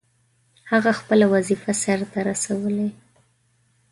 هغه خپله وظیفه سرته رسولې.